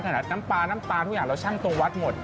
น้ำปลาน้ำตาลทุกอย่างเราช่างตรงวัดหมด